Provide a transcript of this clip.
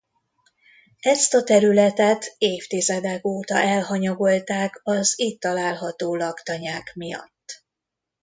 Ezt a területet évtizedek óta elhanyagolták az itt található laktanyák miatt.